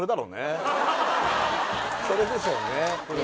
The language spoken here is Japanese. それでしょうね